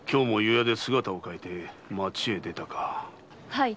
はい。